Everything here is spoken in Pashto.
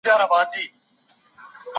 سوداګري اړيکي پراخوي.